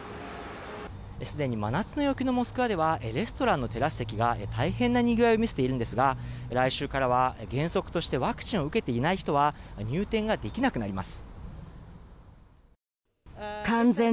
すでに真夏の陽気のモスクワではレストランのテラス席が大変なにぎわいを見せているんですが来週からは原則としてワクチンを受けていない人は入店ができなくなります。